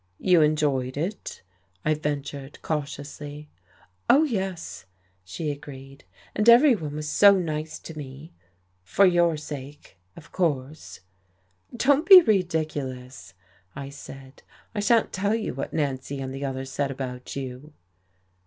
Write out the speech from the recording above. "You enjoyed it," I ventured cautiously. "Oh, yes," she agreed. "And everyone was so nice to me for your sake of course." "Don't be ridiculous!" I said. "I shan't tell you what Nancy and the others said about you."